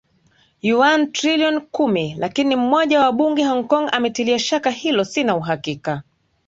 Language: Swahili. yuan trilioni kumi lakini mmoja wa wabunge Hong Kong ametilia shaka hilo Sina uhakika